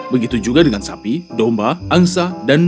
begitu juga dengan sapi dombah angsa dan ayam